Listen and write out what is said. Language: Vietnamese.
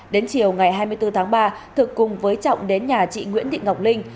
đến chiều ngày hai mươi bốn tháng ba thực cùng với trọng đến nhà chị nguyễn thị ngọc linh